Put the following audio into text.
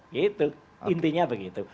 gitu intinya begitu